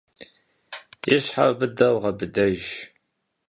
И щхьэр быдэу гъэбыдэж.